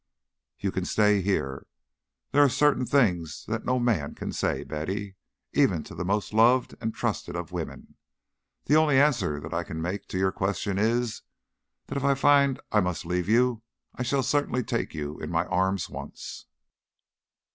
"You can stay here. There are certain things that no man can say, Betty, even to the most loved and trusted of women. The only answer that I can make to your question is, that if I find I must leave you, I certainly shall take you in my arms once."